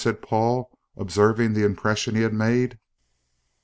said Paul, observing the impression he had made.